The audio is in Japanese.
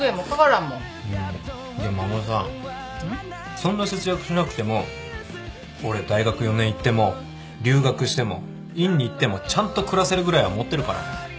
そんな節約しなくても俺大学４年いっても留学しても院にいってもちゃんと暮らせるぐらいは持ってるからね。